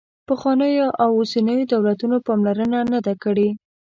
پخوانیو او اوسنیو دولتونو پاملرنه نه ده کړې.